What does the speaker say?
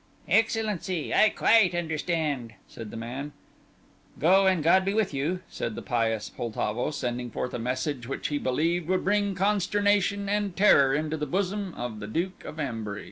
"Excellency, I quite understand," said the man. "Go, and God be with you," said the pious Poltavo, sending forth a message which he believed would bring consternation and terror into the bosom of the Duke of Ambury.